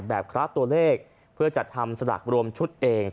ให้แบบคลาสตัวเลขเพื่อจะทำสลากรวมชุดเอง